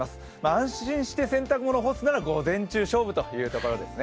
安心して洗濯物を干すなら午前中勝負というところですね。